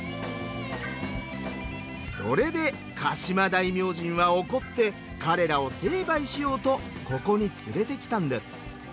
それで鹿島大明神は怒って彼らを成敗しようとここに連れてきたんです。